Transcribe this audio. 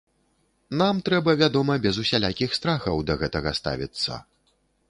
Нам трэба, вядома, без усялякіх страхаў да гэтага ставіцца.